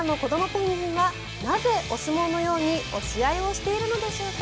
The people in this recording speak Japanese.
ペンギンはなぜお相撲のように押し合いをしているのでしょうか。